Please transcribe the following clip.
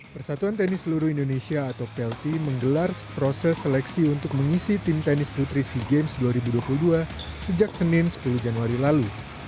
persatuan tenis seluruh indonesia atau plt menggelar proses seleksi untuk mengisi tim tenis putri sea games dua ribu dua puluh dua sejak senin sepuluh januari lalu